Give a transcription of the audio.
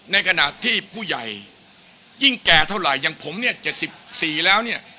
ในขณะที่ผู้ใหญ่ยิ่งแก่เท่าไรอย่างผมเนี่ยเจ็ดสิบสี่แล้วเนี่ย